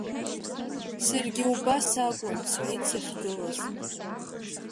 Саргьы убас акәын, – сҳәеит сахьгылаз.